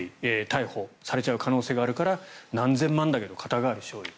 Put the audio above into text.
逮捕されちゃう可能性があるから何千万だけど肩代わりしようよ。